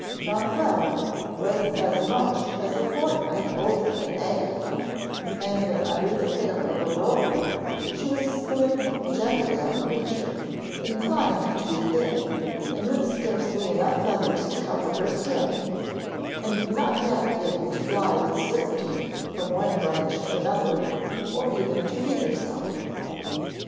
Jonquil was as much as a fortnight older than Agatha, and when under the care of Aurore she was a slim, gentle young creature, inclined to be thin, and with scarcely enough feathers to cover her skin, and not yet able to fly with certainty from one branch to another, or even to feed herself.